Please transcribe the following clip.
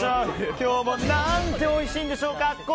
今日もなんておいしいんでしょうか。